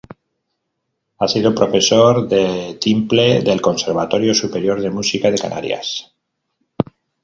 Ha sido profesor de timple del Conservatorio Superior de Música de Canarias.